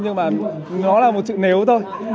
nhưng mà nó là một chữ nếu thôi